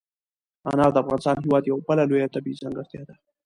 انار د افغانستان هېواد یوه بله لویه طبیعي ځانګړتیا ده.